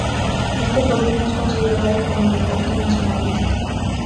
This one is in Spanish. Este gobierno es considerado como de corte nacionalista.